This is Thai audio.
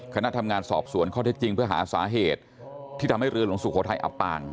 คณะทำงานสอบสวนข้อเท็จจริงเพื่อหาสาเหตุที่ทำให้เรือหลวงสุโขทัยอับปาง